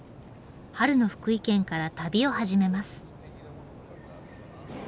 春の福井県から旅を始めます。